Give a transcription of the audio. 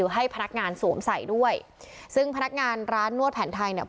ให้พนักงานสวมใส่ด้วยซึ่งพนักงานร้านนวดแผนไทยเนี่ย